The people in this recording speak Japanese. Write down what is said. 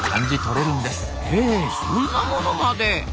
へえそんなものまで。